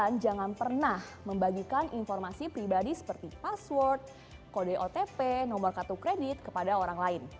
dan jangan pernah membagikan informasi pribadi seperti password kode otp nomor kartu kredit kepada orang lain